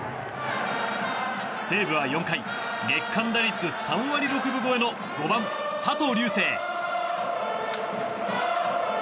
西武は４回月間打率３割６分超えの５番、佐藤龍世。